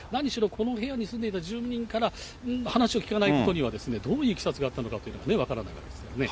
この部屋に住んでいた住人から話を聞かないことには、どういういきさつがあったのかということが分からないですね。